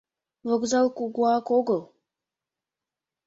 Вокзал кугуак огыл.